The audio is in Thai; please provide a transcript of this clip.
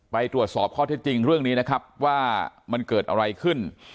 ไปตรวจสอบข้อเท็จจริงเรื่องนี้นะครับว่ามันเกิดอะไรขึ้น